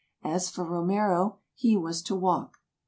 As for Romero, he was to walk.